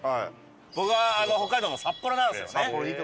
僕は北海道の札幌なんですよね。